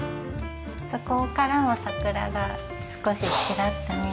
そこからも桜が少しちらっと見える。